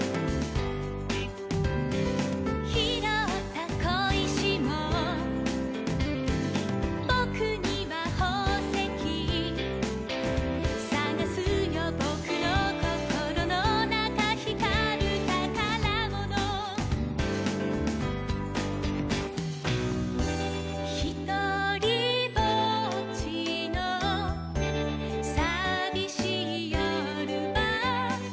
「ひろったこいしもぼくにはほうせき」「さがすよぼくのこころのなか」「ひかるたからもの」「ひとりぼっちのさびしいよるは」